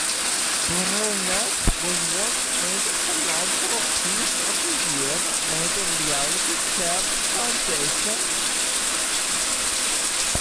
Burnett was also named "Philanthropist of the Year" by the Reality Cares Foundation.